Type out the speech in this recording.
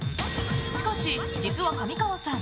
しかし、実は上川さん